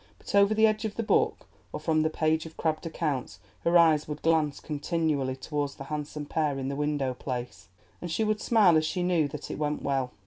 But over the edge of the book, or from the page of crabbed accounts, her eyes would glance continually towards the handsome pair in the window place, and she would smile as she saw that it went well.